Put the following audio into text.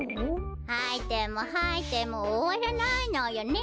はいてもはいてもおわらないのよね。